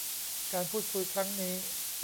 การพูดคุยครั้งนี้